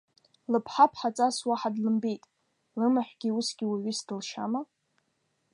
Лыԥҳа ԥҳаҵас уаҳа длымбеит, лымаҳәгьы усгьы уаҩыс дылшьама?